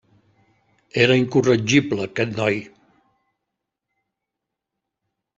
Era incorregible, aquest noi!